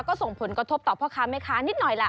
ก็ส่งผลกระทบต่อพ่อค้าแม่ค้านิดหน่อยล่ะ